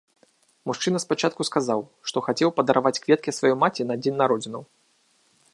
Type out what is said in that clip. Мужчына спачатку сказаў, што хацеў падараваць кветкі сваёй маці на дзень народзінаў.